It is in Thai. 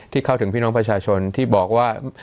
เข้าถึงพี่น้องประชาชนที่บอกว่า